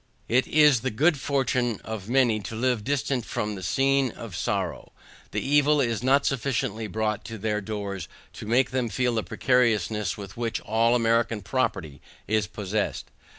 It is the good fortune of many to live distant from the scene of sorrow; the evil is not sufficiently brought to THEIR doors to make THEM feel the precariousness with which all American property is possessed.